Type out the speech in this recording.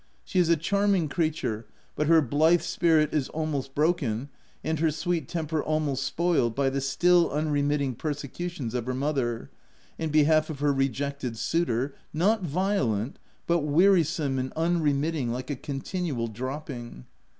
She is a charming creature, but her blithe spirit is al most broken, and her sweet temper almost spoiled, by the still unremitting persecutions of her mother, in behalf of her rejected suitor — not violent, but wearisome and unremitting like a continual dropping.